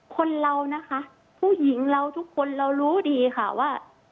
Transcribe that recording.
คนเรานะคะผู้หญิงเราทุกคนเรารู้ดีค่ะว่า